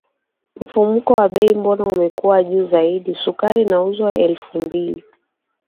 mfumuko wa bei mbona umekuwa juu zaidi sukari inauzwa elfu mbili